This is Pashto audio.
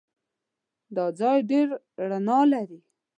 دا ځای ډېر رڼا لري.